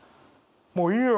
「もういいよ